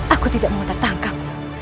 aku tidak mau tertangkap